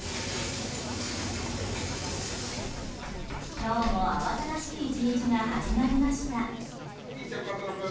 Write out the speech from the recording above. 今日も慌ただしい１日が始まりました。